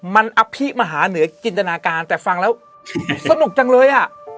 มันอภิมหาเหนือจินตนาการแต่ฟังแล้วสนุกจังเลยอ่ะ